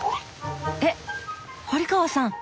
えっ堀川さん？